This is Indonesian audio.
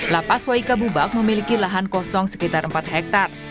lapas waika bubak memiliki lahan kosong sekitar empat hektare